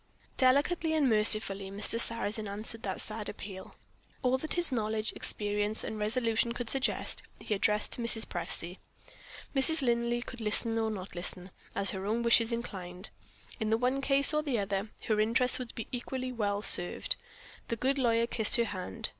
Delicately and mercifully Mr. Sarrazin answered that sad appeal. All that his knowledge, experience and resolution could suggest he addressed to Mrs. Presty. Mrs. Linley could listen or not listen, as her own wishes inclined. In the one case or in the other, her interests would be equally well served. The good lawyer kissed her hand.